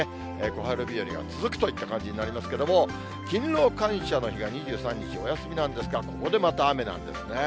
小春日和が続くといった感じになりますけれども、勤労感謝の日が２３日、おやすみなんですが、ここでまた雨なんですね。